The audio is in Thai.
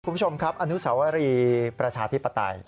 คุณผู้ชมครับอนุสาวรีประชาธิปไตย